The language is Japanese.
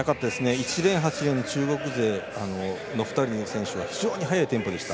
１レーン、８レーンの中国勢の２人の選手は非常に速いテンポでした。